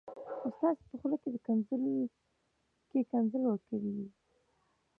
خو تاسي په خوله کي ښکنځل ورکړي و